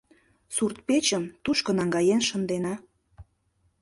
Сурт-печым тушко наҥгаен шындена.